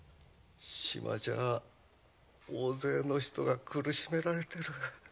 島じゃあ大勢の人が苦しめられている。